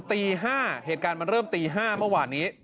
ตี๕เหตุการณ์มันเริ่มตี๕เมื่อวานนี้